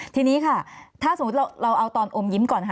ทีนี้ค่ะถ้าสมมุติเราเอาตอนอมยิ้มก่อนค่ะ